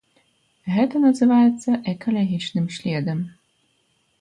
Гэта называецца экалагічным следам.